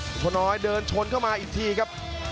ตัวน้อยเดินชนเข้ามาอีกทีครับ